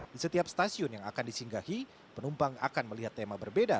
di setiap stasiun yang akan disinggahi penumpang akan melihat tema berbeda